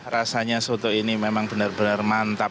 rasanya soto ini memang benar benar mantap